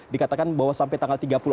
dikatakan bahwa sampai tanggal tiga puluh